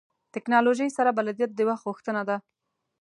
ټکنالوژۍ سره بلدیت د وخت غوښتنه ده.